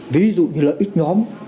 ví dụ như lợi ích nhóm